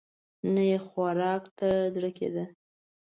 نه يې خوراک ته زړه کېده.